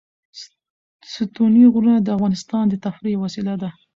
ستوني غرونه د افغانانو د تفریح یوه وسیله ده.